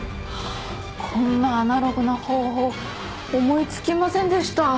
こんなアナログな方法思いつきませんでした。